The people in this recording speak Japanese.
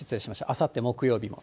あさって木曜日も。